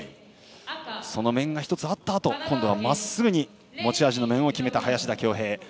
その面が１つあったあと今度はまっすぐに持ち味の面を決めた林田匡平。